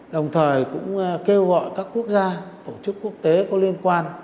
đồng thời cũng kêu gọi các quốc gia tổ chức quốc tế có liên quan